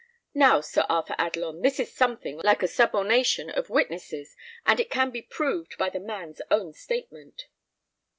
Now, Sir Arthur Adelon, this is something like a subornation of witnesses, and it can be proved by the man's own statement."